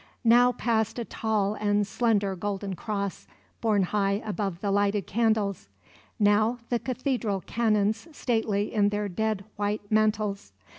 Now passed a tall and slender golden cross, borne high above the lighted candles; now the cathedral canons, stately in their dead white mantles.